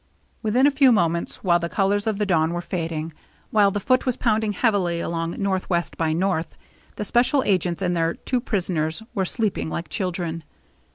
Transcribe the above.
Within a few moments, while the colors of the dawn were fading, while the Foote was pounding heavily along northwest by north, the special agents and their two prisoners were sleeping like children.